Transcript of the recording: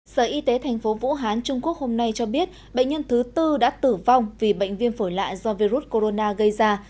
sở y tế thành phố vũ hán trung quốc hôm nay cho biết bệnh nhân thứ tư đã tử vong vì bệnh viêm phổi lạ do virus corona gây ra